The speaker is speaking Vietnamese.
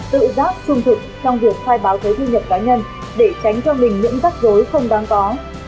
tự giác trung thực trong việc khai báo thuế thu nhập cá nhân để tránh cho mình những rắc rối không đáng có